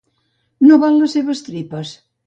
No val les seves tripes.